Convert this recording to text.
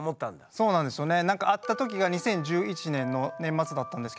そうなんですよね。